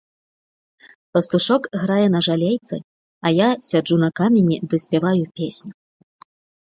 Пастушок грае на жалейцы, а я сяджу на каменні ды спяваю песню.